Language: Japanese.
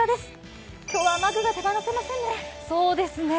今日は雨具が手放せませんね。